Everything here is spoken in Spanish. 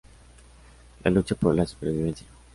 La lucha por la supervivencia.